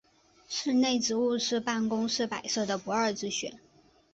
室内植物是办公室摆设的不二之选。